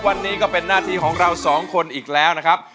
วันนี้ก็เป็นหน้าที่ของเราสองคนอีกแล้วนะครับ